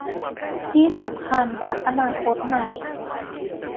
ที่สำคัญพรรคอนาคตใหม่